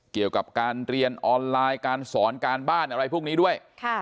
เกี่ยวกับการเรียนออนไลน์การสอนการบ้านอะไรพวกนี้ด้วย